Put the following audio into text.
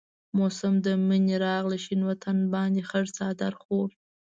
موسم د منی راغي شين وطن باندي خړ څادر خور شو